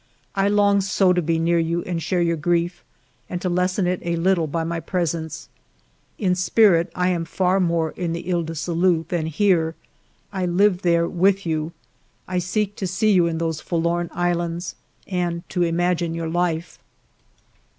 I long so to be near you and share your grief, and to lessen it a little by my presence. In spirit I am far more in the lies du Salut than here ; I live there with you, I seek to see you in those forlorn islands, and to imagine your life."